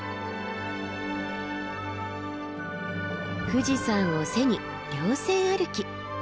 富士山を背に稜線歩き。